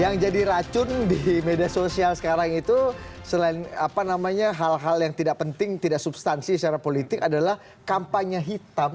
yang jadi racun di media sosial sekarang itu selain apa namanya hal hal yang tidak penting tidak substansi secara politik adalah kampanye hitam